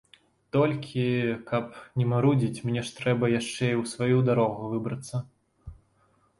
Толькі, каб не марудзіць, мне ж трэба яшчэ і ў сваю дарогу выбрацца.